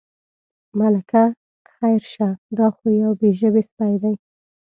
ملکه خیر شه، دا خو یو بې ژبې سپی دی.